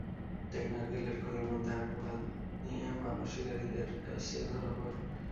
তাই নারকেলের খোলের মধ্যে আটক হাত নিয়ে বানর শিকারিদের কাছে ধরা পড়ে।